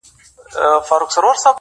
که دي هوس دئ، نو دي بس دئ.